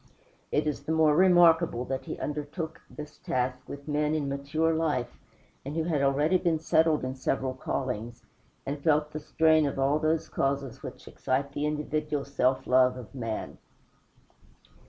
It is the more remarkable that he undertook this task with men in mature life, and who had already been settled in several callings, and felt the strain of all those causes which excite the individual self love of man.